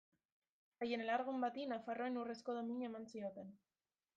Haien alargun bati Nafarroaren Urrezko Domina eman zioten.